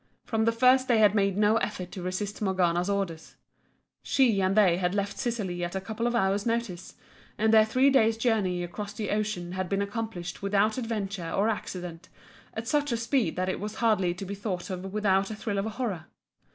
From the first they had made no effort to resist Morgana's orders she and they had left Sicily at a couple of hours' notice and their three days' journey across the ocean had been accomplished without adventure or accident, at such a speed that it was hardly to be thought of without a thrill of horror.